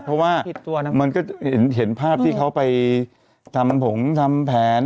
เพราะว่ามันก็เห็นภาพที่เขาไปทำผงทำแผน